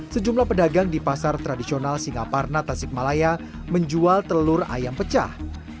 sejumlah pedagang di pasar tradisional singapara natasik malaya menjual telur ayam pecah